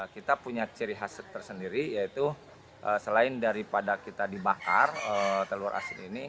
kita punya ciri khas tersendiri yaitu selain daripada kita dibakar telur asin ini